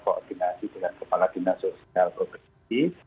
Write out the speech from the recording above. koordinasi dengan kepala dinas sosial provinsi